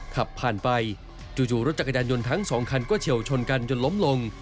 ขับผ่านไปจู่รถจักรยานยนต์ทั้งสองคันก็เฉียวชนกันจนล้มลง